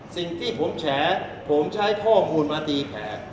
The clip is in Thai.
สิ่งที่ผมแฉผมใช้ข้อมูลมาตีแขก